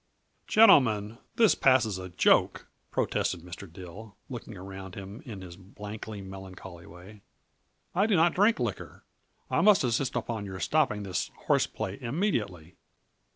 "Gentlemen, this passes a joke!" protested Mr. Dill, looking around him in his blankly melancholy way. "I do not drink liquor. I must insist upon your stopping this horseplay immediately!"